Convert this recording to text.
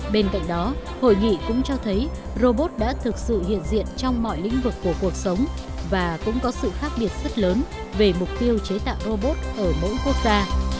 bên cạnh đó hội nghị cũng cho thấy robot đã thực sự hiện diện trong mọi lĩnh vực của cuộc sống và cũng có sự khác biệt rất lớn về mục tiêu chế tạo robot ở mỗi quốc gia